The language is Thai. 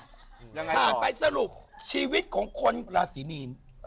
ถามไปสรุปชีวิตของคนราศีนีย์